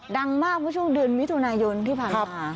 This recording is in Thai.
ดังมากก็ช่วงเดือนวิทยุนายนที่ผ่านมา